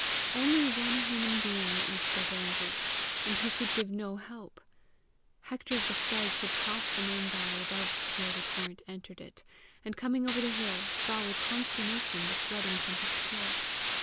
Only one human being witnessed their danger, and he could give no help. Hector of the Stags had crossed the main valley above where the torrent entered it, and coming over the hill, saw with consternation the flood encompassed pair.